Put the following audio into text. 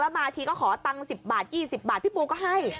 มาทีก็ขอตังค์๑๐บาท๒๐บาทพี่ปูก็ให้